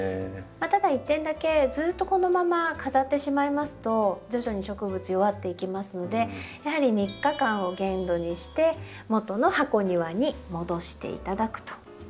ただ１点だけずっとこのまま飾ってしまいますと徐々に植物弱っていきますのでやはり３日間を限度にしてもとの箱庭に戻して頂くと。